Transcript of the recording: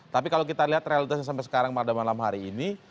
tapi kalau kita lihat realitasnya sampai sekarang pada malam hari ini